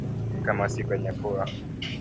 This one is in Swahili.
Kamasi kwenye pua